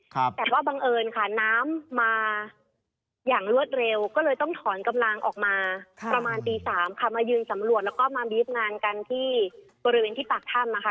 แต่ว่าบังเอิญค่ะน้ำมาอย่างรวดเร็วก็เลยต้องถอนกำลังออกมาประมาณตีสามค่ะมายืนสำรวจแล้วก็มาบีฟงานกันที่บริเวณที่ปากถ้ำนะคะ